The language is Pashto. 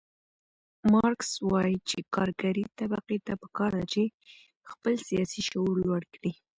مارکس وایي چې کارګرې طبقې ته پکار ده چې خپل سیاسي شعور لوړ کړي.